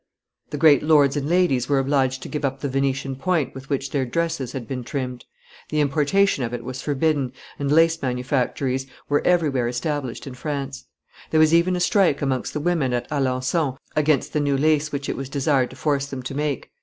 The great lords and ladies were obliged to give up the Venetian point with which their dresses had been trimmed; the importation of it was forbidden, and lace manufactories were everywhere established in France; there was even a strike amongst the women at Alencon against the new lace which it was desired to force them to make.